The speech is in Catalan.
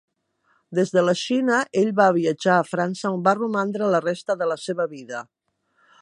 Des de la Xina, ell va viatjar a França, on va romandre la resta de la seva vida.